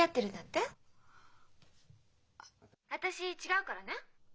☎私違うからね。